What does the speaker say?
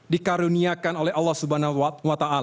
dikaruniakan oleh allah swt